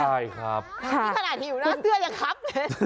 ใช่ครับค่ะอันนี้ขนาดที่อยู่สื่อจะครับ